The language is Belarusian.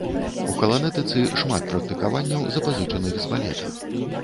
У каланэтыцы шмат практыкаванняў, запазычаных з балета.